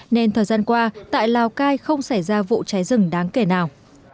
nên thời gian qua tại lào cai không xảy ra vụ cháy rừng đáng kể nào